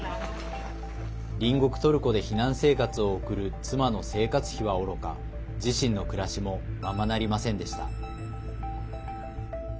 隣国トルコで避難生活を送る妻の生活費はおろか自身の暮らしもままなりませんでした。